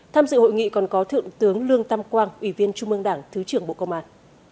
tham dự hội nghị còn có thượng tướng lương tam quang ủy viên trung mương đảng thứ trưởng bộ công an